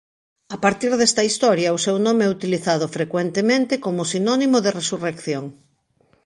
A partir desta historia o seu nome é utilizado frecuentemente como sinónimo de resurrección.